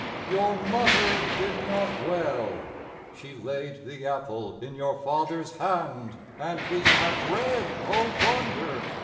your mother did not well: She laid the apple in your father's hand, And we have read, O wonder!